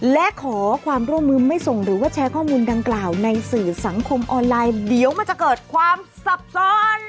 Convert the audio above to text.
และขอความร่วมมือไม่ส่งหรือว่าแชร์ข้อมูลดังกล่าวในสื่อสังคมออนไลน์เดี๋ยวมันจะเกิดความซับซ้อน